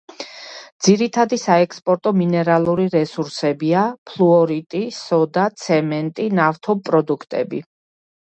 ძირითადი საექსპორტო მინერალური რესურსებია ფლუორიტი, სოდა, ცემენტი, ნავთობპროდუქტები.